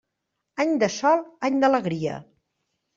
Any de sol, any d'alegria.